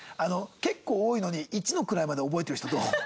結構多いのに一の位まで覚えてる人どう？